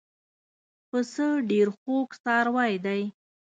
پسه ډېر خوږ څاروی دی.